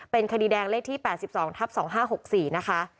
เป็นคดีแดงเลขที่๘๒ทับ๒๕๖๔นะคะ